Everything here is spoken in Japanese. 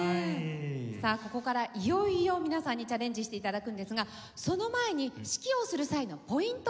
さあここからいよいよ皆さんにチャレンジして頂くんですがその前に指揮をする際のポイントを伺いましょう。